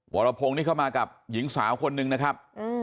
วรพงศ์นี่เข้ามากับหญิงสาวคนนึงนะครับ